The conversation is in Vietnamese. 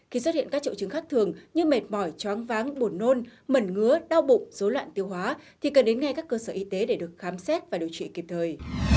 khi xuất hiện các triệu chứng khác thường như mệt mỏi choáng váng bột nôn mẩn ngứa đau bụng dối loạn tiêu hóa thì cần đến ngay các cơ sở y tế để được khám xét và điều trị kịp thời